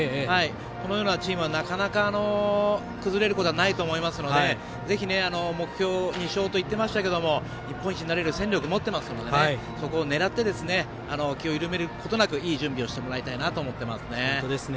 このようなチームはなかなか崩れることがないと思いますのでぜひ目標２勝と言ってましたけど日本一になる戦力を持ってますのでそこを狙って気を緩めることなくいい準備をしてもらいたいと思っています。